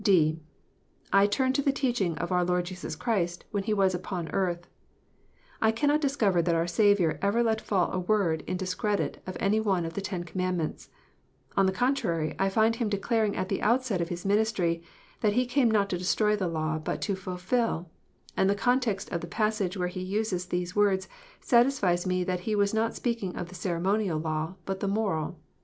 (d) I turn to the teaching of our Lord Jesus Christ when He was upon earth. I cannot discover that our Saviour ever let fall a word in discredit of any one of the Ten Commandments. On the contrary, I find Him declaring at the outset of His ministry, " that He came not to destroy the law but to fulfil," and the context of the passage where He uses these words, satisfies me that He was not speaking of the ceremonial law, but the moral.